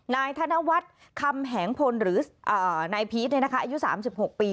นายธนวัฒน์คำแหงพลหรือนายพีชอายุ๓๖ปี